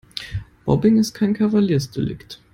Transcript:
Mobbing ist kein Kavaliersdelikt.